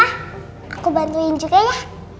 aku bantuin juga ya